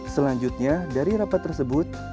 selanjutnya dari rapat tersebut